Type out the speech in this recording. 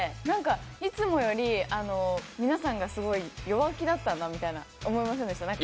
いつもより皆さんがすごい弱気だったなみたいな、思いませんでした？